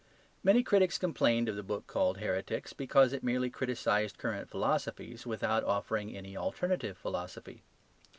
Many critics complained of the book called "Heretics" because it merely criticised current philosophies without offering any alternative philosophy.